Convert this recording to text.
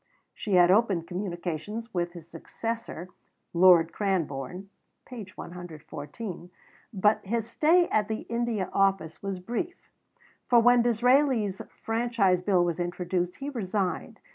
She had opened communications with his successor, Lord Cranborne (p. 114); but his stay at the India Office was brief, for when Disraeli's Franchise Bill was introduced, he resigned.